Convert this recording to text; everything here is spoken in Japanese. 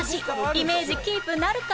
イメージキープなるか？